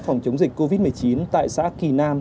phòng chống dịch covid một mươi chín tại xã kỳ nam